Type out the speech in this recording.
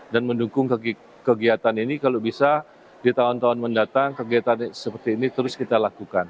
dan mendukung kegiatan ini kalau bisa di tahun tahun mendatang kegiatan seperti ini terus kita lakukan